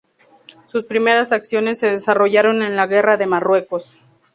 Sus primeras acciones se desarrollaron en la Guerra de Marruecos.